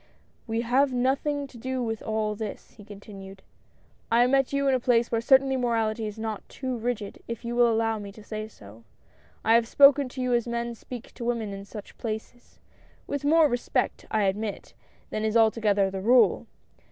"We have nothing to do with all this," he continued. " I met you in a place where certainly morality is not too rigid, if you will allow me to say so. I have spoken to you as men speak to women in such places — with more respect, I admit, than is altogether the rule.